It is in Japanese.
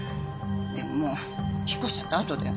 でももう引っ越しちゃったあとで。